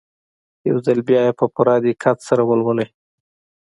يو ځل بيا يې په پوره دقت سره ولولئ.